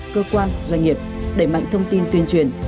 cơ quan doanh nghiệp đẩy mạnh thông tin tuyên truyền